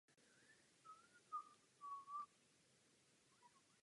Filmu byl vytvořen ve studiu Sony Pictures Animation.